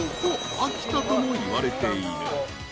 秋田ともいわれている］